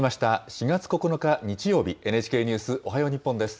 ４月９日日曜日、ＮＨＫニュースおはよう日本です。